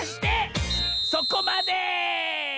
そこまで！